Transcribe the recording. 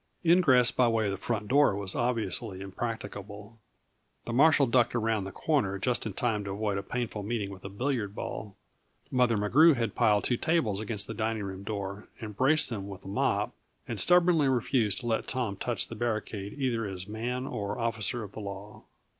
Ingress by way of the front door was obviously impracticable; the marshal ducked around the corner just in time to avoid a painful meeting with a billiard ball. Mother McGrew had piled two tables against the dining room door and braced them with the mop, and stubbornly refused to let Tom touch the barricade either as man or officer of the law.